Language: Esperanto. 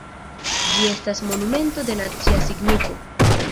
Ĝi estas monumento de nacia signifo.